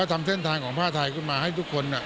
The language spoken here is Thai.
ทำเส้นทางของผ้าไทยขึ้นมาให้ทุกคน